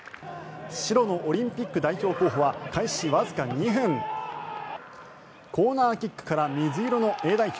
白のオリンピック代表候補は開始わずか２分コーナーキックから水色のＡ代表